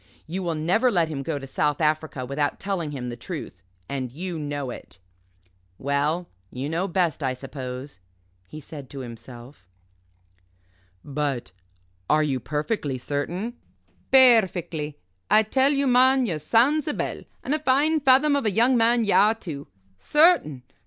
You will never let him go to South Africa without telling him the truth and you know it." "Well you know best, I suppose," he said to himself. "But are you perfectly certain?" "Perfectly. I tell you, man, you're sound's a bell, and a fine fathom of a young man ye are, too. Certain?